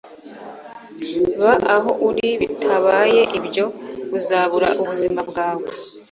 Ba aho uri; bitabaye ibyo, uzabura ubuzima bwawe. ”